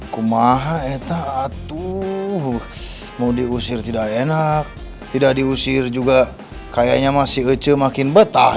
kumaha etatu mau diusir tidak enak tidak diusir juga kayaknya masih kecil makin betah